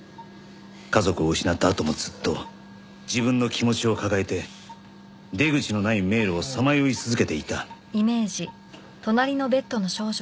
家族を失ったあともずっと自分の気持ちを抱えて出口のない迷路をさまよい続けていた。